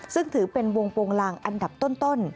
ซึ่งถือเป็นวงโปรงลางอันดับต้น